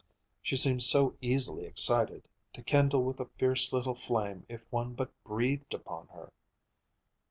She seemed so easily excited, to kindle with a fierce little flame if one but breathed upon her.